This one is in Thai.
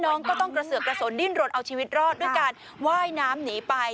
น้องก็ต้องกระเสือกกระสนดิ้นรนเอาชีวิตรอดด้วยการว่ายน้ำหนีไป